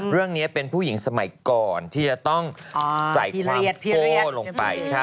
เรื่องนี้เป็นผู้หญิงสมัยก่อนที่จะต้องใส่ความโก้ลงไป